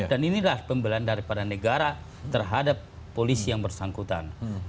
dan inilah pembelahan dari negara terhadap polisi yang bersangkutan